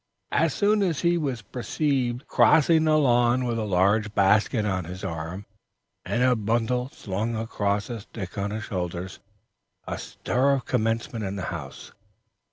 As soon as he was perceived crossing the lawn with a large basket on his arm, and a bundle slung across a stick on his shoulder, a stir commenced in the house.